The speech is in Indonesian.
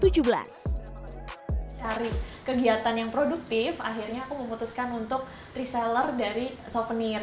cari kegiatan yang produktif akhirnya aku memutuskan untuk reseller dari souvenir